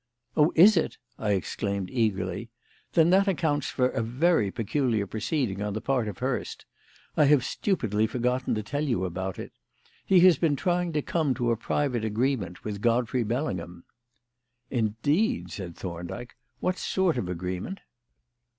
"Oh, is it?" I exclaimed eagerly. "Then that accounts for a very peculiar proceeding on the part of Hurst. I have stupidly forgotten to tell you about it. He has been trying to come to a private agreement with Godfrey Bellingham." "Indeed!" said Thorndyke. "What sort of agreement?"